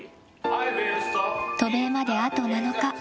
渡米まで、あと７日。